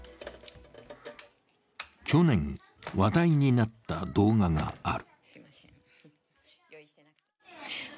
去年、話題になった動画がある。